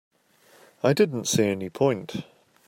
I didn't see any point.